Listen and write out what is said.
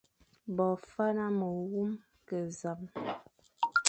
Bo faña me wume, ke zame,